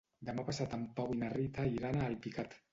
Demà passat en Pau i na Rita iran a Alpicat.